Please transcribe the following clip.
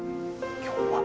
今日は。